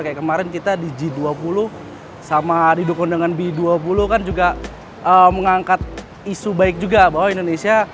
kayak kemarin kita di g dua puluh sama didukung dengan b dua puluh kan juga mengangkat isu baik juga bahwa indonesia